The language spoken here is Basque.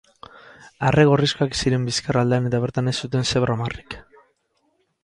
Arre-gorrizkak ziren bizkar aldean eta bertan ez zuten zebra-marrik.